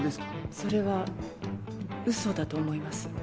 それは嘘だと思います